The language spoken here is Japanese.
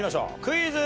クイズ。